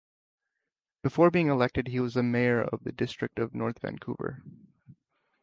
Before being elected, he was the mayor of the District of North Vancouver.